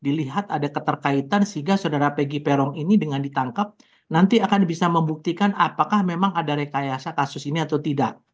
dilihat ada keterkaitan sehingga saudara peggy peron ini dengan ditangkap nanti akan bisa membuktikan apakah memang ada rekayasa kasus ini atau tidak